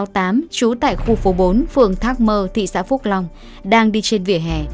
trú tại khu phố bốn phường thác mơ thị xã phúc long đang đi trên vỉa hè